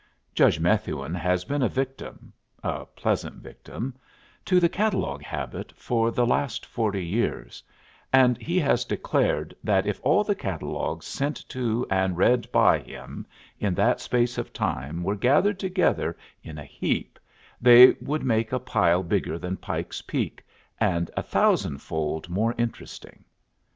Judge Methuen has been a victim (a pleasant victim) to the catalogue habit for the last forty years, and he has declared that if all the catalogues sent to and read by him in that space of time were gathered together in a heap they would make a pile bigger than Pike's Peak, and a thousandfold more interesting.